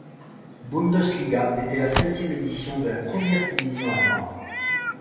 Bundesliga était la seizième édition de la première division allemande.